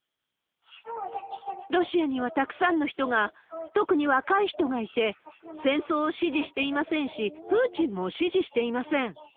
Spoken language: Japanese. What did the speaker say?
ロシアにはたくさんの人が、特に若い人がいて、戦争を支持していませんし、プーチンも支持していません。